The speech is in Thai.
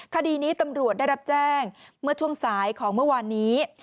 คดีนี้ตำรวจได้รับแจ้งเมื่อช่วงสายของเมื่อวานนี้